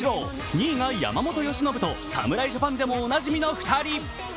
２位が山本由伸と侍ジャパンでもおなじみの２人。